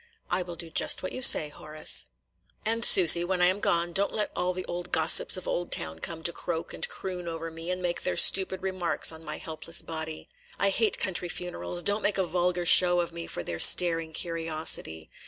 "I will do just what you say, Horace." "And, Susy, when I am gone, don't let all the old gossips of Oldtown come to croak and croon over me, and make their stupid remarks on my helpless body. I hate country funerals. Don't make a vulgar show of me for their staring curiosity.